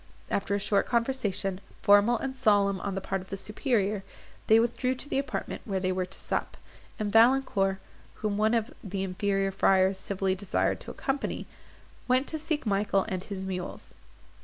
After a short conversation, formal and solemn on the part of the superior, they withdrew to the apartment where they were to sup, and Valancourt, whom one of the inferior friars civilly desired to accompany, went to seek Michael and his mules.